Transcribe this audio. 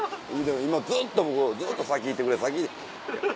ずっと僕ずっと「先行ってくれ先」。